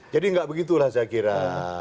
jadi tidak begitu lah saya kira